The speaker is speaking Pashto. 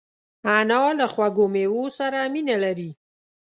انا له خوږو مېوو سره مینه لري